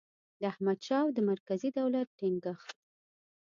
د احمدشاه او د مرکزي دولت ټینګیښت